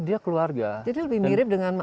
dia keluarga jadi lebih mirip dengan